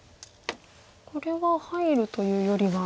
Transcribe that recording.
これは入るというよりは。